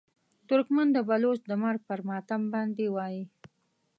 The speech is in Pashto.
ترکمن د بلوڅ د مرګ پر ماتم باندې وایي.